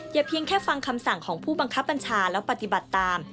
เพียงแค่ฟังคำสั่งของผู้บังคับบัญชาแล้วปฏิบัติตาม